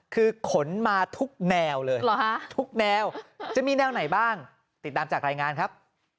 คือขนมาทุกแนวเลยทุกแนวจะมีแนวไหนบ้างติดตามจากรายงานครับ